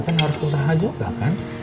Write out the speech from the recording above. tapi kan harus berusaha juga kan